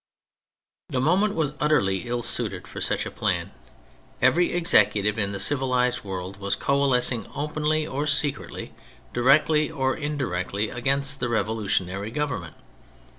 The moment was utterly ill suited for such a plan. Every Executive in the civilised world was coalescing openly or secretly, directly or indirectly, against the revolution ary Government.